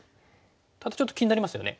ただちょっと気になりますよね。